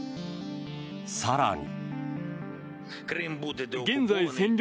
更に。